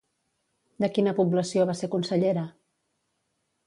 De quina població va ser consellera?